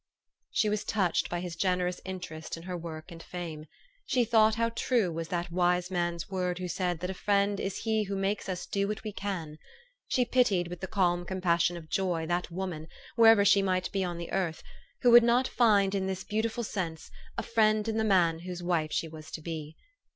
She was touched by his generous interest in her work and fame. She thought how true was that wise man's word who said, that a friend is he who makes us do what we can : she pitied with the calm compassion of joy that woman, wherever she might be on the earth, who would not find in this beautiful sense a friend in the man whose wife she was to be.